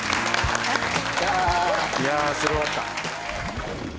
いやすごかった。